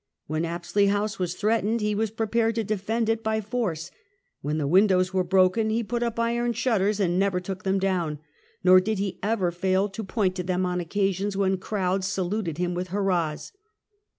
When Apsley House was threatened he was prepared to defend it by force ; when the windows were broken he put up iron shutters and never took them down; nor did he ever fail to point to them on occasions, when crowds saluted him with hurrahs.